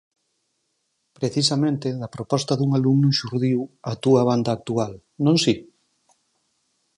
Precisamente da proposta dun alumno xurdiu, a túa banda actual, non si?